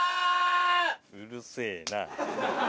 うるせぇな。